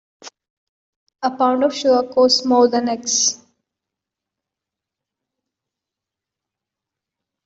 A pound of sugar costs more than eggs.